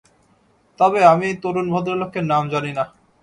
তবে আমি এই তরুণ ভদ্রলোকের নাম জানিনা।